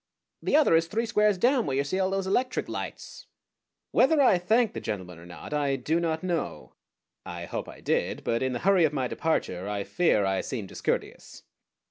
"The other is three squares down, where you see all those electric lights." Whether I thanked the gentleman or not I do not know. I hope I did; but in the hurry of my departure I fear I seemed discourteous.